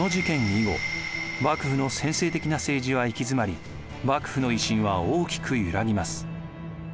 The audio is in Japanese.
以後幕府の専制的な政治は行き詰まり幕府の威信は大きく揺らぎます。